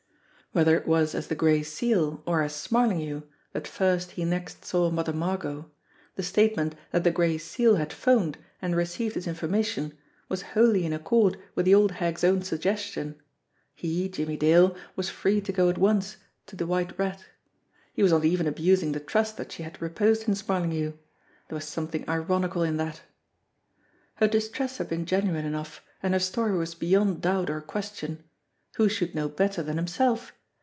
Whether it was as the Gray Seal or as Smarlinghue that first he next saw Mother Margot, the statement that the Gray Seal had phoned and received his information was wholly in accord with the old hag's own suggestion. He, Jimmie Dale, was free to go at once to The 272 JIMMIE DALE AND THE PHANTOM CLUE White Rat. He was not even abusing the trust that she had reposed in Smarlinghue ! There was something ironical in that! Her distress had been genuine enough, and her story was beyond doubt or question. Who should know better than himself?